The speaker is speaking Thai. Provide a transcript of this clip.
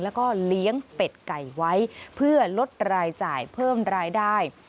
แล้วก็เลี้ยงเป็ดไก่ไว้เพื่อลดรายจ่ายเพิ่มรายได้